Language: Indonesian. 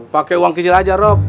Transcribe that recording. bawang kecil aja rob